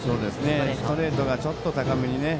ストレートがちょっと高めにね。